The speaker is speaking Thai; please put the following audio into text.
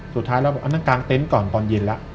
สุดท้ายเราการเต็นต์ก่อนตอนเย็นละ